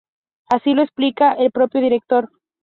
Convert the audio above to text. Así lo explica el propio director.